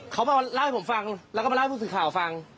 เขามาเล่าให้ผมฟังแล้วก็มาเล่าให้ผู้สื่อข่าวฟัง